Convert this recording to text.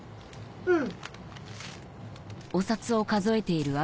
うん。